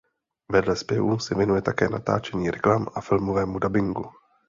Vedle zpěvu se věnuje také natáčení reklam a filmovému dabingu.